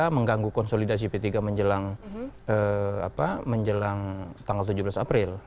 mengganggu konsolidasi p tiga menjelang tanggal tujuh belas april